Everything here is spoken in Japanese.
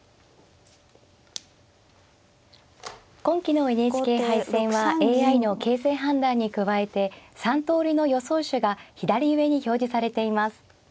今期のＮＨＫ杯戦はＡＩの形勢判断に加えて３通りの予想手が左上に表示されています。